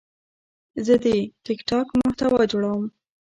زه د ټک ټاک محتوا جوړوم.